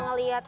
nah dia dia